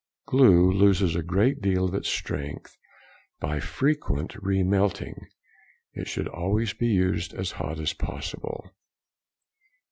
Glue loses a great deal of its strength by frequent re melting. It should always be used as hot as possible.